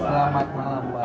selamat malam pak